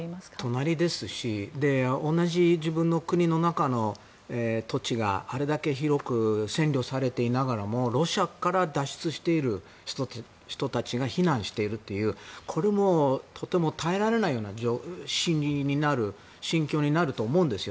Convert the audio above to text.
隣ですし同じ自分の国の中の土地があれだけ広く占領されていながらもロシアから脱出している人たちが避難しているというとても耐えられないような心境になると思うんですよ。